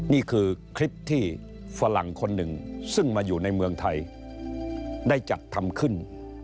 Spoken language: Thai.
นี่คือคลิปที่ฝรั่งคนหนึ่งซึ่งมาอยู่ในเมืองไทยได้จัดทำขึ้น